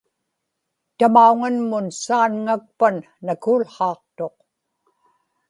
tamauŋanmun saanŋakpan nakuułhaaqtuq